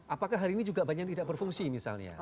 apakah hari ini juga banyak yang tidak berfungsi misalnya